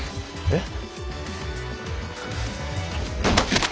えっ？